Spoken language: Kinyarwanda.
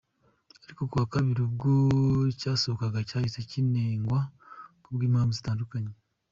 Ariko ku wa kabiri ubwo cyasohokaga cyahise kinengwa ku bw’impamvu zitandukanye .